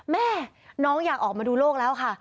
แม่น้องอยากออกมาดูโลกแล้วค่ะ